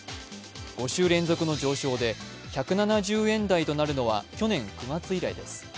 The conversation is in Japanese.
５週連続の上昇で１７０円台となるのは去年９月以来です。